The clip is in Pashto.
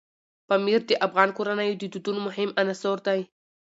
پامیر د افغان کورنیو د دودونو مهم عنصر دی.